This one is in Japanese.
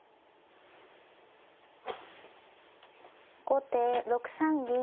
後手６三銀。